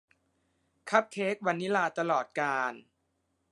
คัพเค้กวานิลลาตลอดกาล